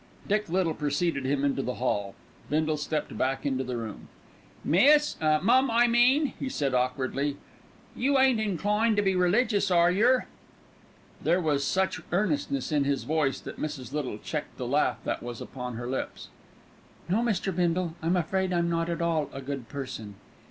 Dick Little preceded him into the hall. Bindle stepped back into the room. "Miss mum, I mean," he said awkwardly, "you ain't inclined to be religious, are yer?" There was such earnestness in his voice that Mrs. Little checked the laugh that was upon her lips. "No, Mr. Bindle, I'm afraid I'm not at all a good person."